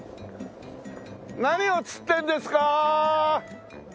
何を釣ってるんですか？